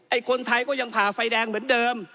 คนไทยก็ยังผ่าไฟแดงเหมือนเดิม